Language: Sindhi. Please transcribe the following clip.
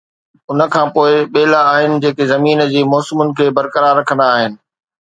ان کان پوءِ ٻيلا آهن جيڪي زمين جي موسمن کي برقرار رکندا آهن.